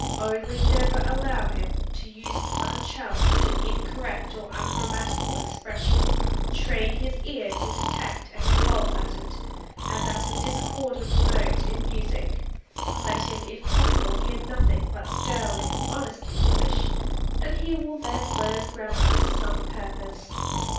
Only never allow him to use unchallenged an incorrect or ungrammatical expression, train his ear to detect and revolt at it, as at a discordant note in music, let him if possible hear nothing but sterling, honest English, and he will then learn grammar to some purpose.